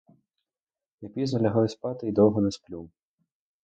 Я пізно лягаю спати й довго не сплю.